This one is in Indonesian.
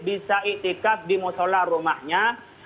bisa ikhtiqah di sholat rumahnya